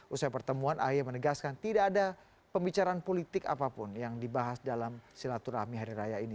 usai pertemuan ahy menegaskan tidak ada pembicaraan politik apapun yang dibahas dalam silaturahmi hari raya ini